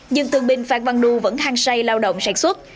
nhưng thương binh phan văn đu vẫn hăng say lao động sản xuất